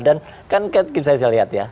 dan kan kita bisa lihat ya